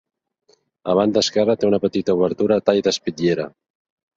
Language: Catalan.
A la banda esquerra té una petita obertura a tall d'espitllera.